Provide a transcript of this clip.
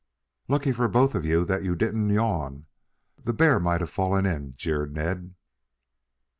"Lucky for both of you that you didn't yawn. The bear might nave fallen in," jeered Ned.